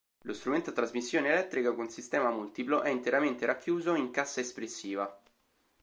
Lo strumento, a trasmissione elettrica con sistema multiplo, è interamente racchiuso in cassa espressiva.